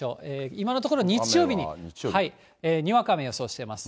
今のところ日曜日ににわか雨予想しています。